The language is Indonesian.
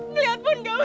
melihat pun tidak usah